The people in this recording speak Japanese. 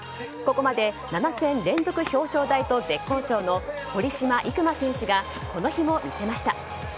ここまで７戦連続表彰台と絶好調の堀島行真選手がこの日も見せました。